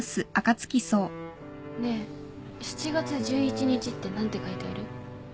ねえ７月１１日って何て書いてある？